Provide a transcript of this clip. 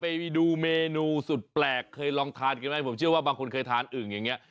ไปดูเมนูสุดแปลกเคยลองทานกันไหมผมเชื่อว่าบางคนเคยทานอึ่งอย่างนี้